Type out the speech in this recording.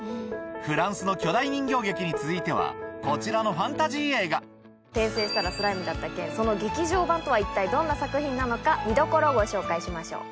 フランスの巨大人形劇に続いてはこちらのファンタジー映画『転生したらスライムだった件』その劇場版とは一体どんな作品なのか見どころご紹介しましょう。